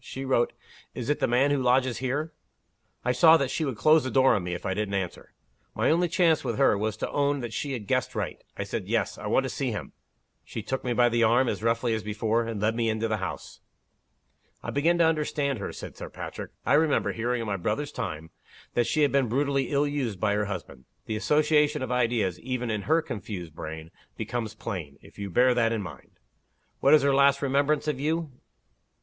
She wrote, 'Is it the man who lodges here?' I saw that she would close the door on me if I didn't answer. My only chance with her was to own that she had guessed right. I said 'Yes. I want to see him.' She took me by the arm, as roughly as before and led me into the house." "I begin to understand her," said Sir Patrick. "I remember hearing, in my brother's time, that she had been brutally ill used by her husband. The association of id eas, even in her confused brain, becomes plain, if you bear that in mind. What is her last remembrance of you?